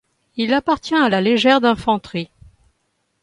Il appartient à la légère d’infanterie.